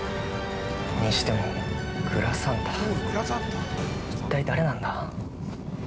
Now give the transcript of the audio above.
にしてもグラサンタ、一体誰なんだ？